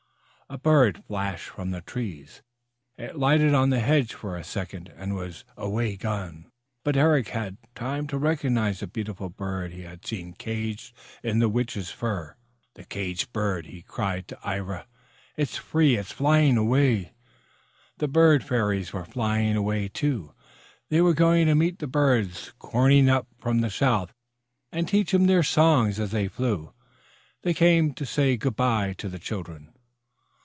A bird flashed from the trees. It lighted on the hedge for a second and was away again. But Eric had had time to recognize the beautiful bird he had seen caged in the Witch's fir. "The caged bird!" he cried to Ivra. "It is free! It is flying away." The Bird Fairies were flying away, too. They were going to meet the birds corning up from the south and teach them their songs as they flew. They came to say good by to the children.